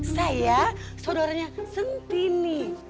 saya saudaranya sentini